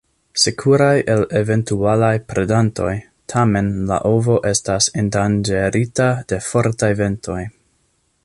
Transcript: Sekuraj el eventualaj predantoj, tamen la ovo estas endanĝerita de fortaj ventoj.